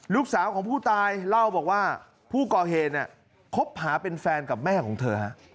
ลูกสาวของผู้ตายเล่าบอกว่าผู้ก่อเหตุคบหาเป็นแฟนกับแม่ของเธอ